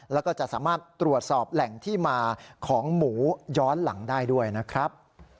แล้วก็จะสามารถตรวจสอบแหล่งที่มาของหมูย้อนหลังได้ด้วยนะครับ